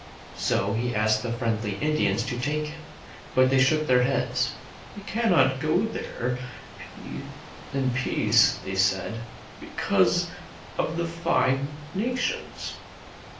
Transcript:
So he asked the friendly Indians to take him; but they shook their heads. "We cannot go there in peace," they said, "because of the Five Nations."